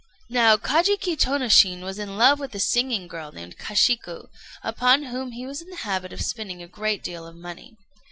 ] Now Kajiki Tônoshin was in love with a singing girl named Kashiku, upon whom he was in the habit of spending a great deal of money.